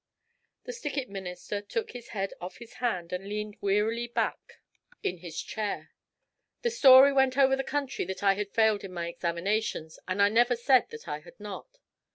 The Stickit Minister took his head off his hand and leaned wearily back in his chair. 'The story went over the country that I had failed in my examinations, and I never said that I had not.